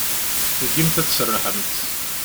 Tugimt ad tserrḥemt.